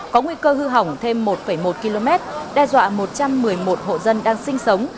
có nguy cơ hư hỏng thêm một một km đe dọa một trăm một mươi một hộ dân đang sinh sống